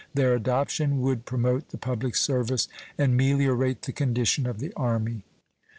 Their adoption would promote the public service and meliorate the condition of the Army.